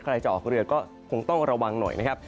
ใครจะออกเรือก็คงต้องระวังหน่อยนะครับ